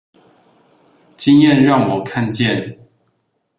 經驗讓我看見